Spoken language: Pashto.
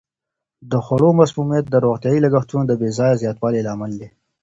د خوړو مسمومیت د روغتیايي لګښتونو د بې ځایه زیاتوالي لامل دی.